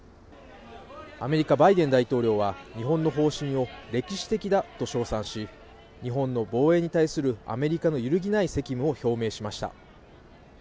アメリカ・バイデン大統領は日本の方針を歴史的だと称賛し日本の防衛に対するアメリカの揺るぎない責務を表明しました。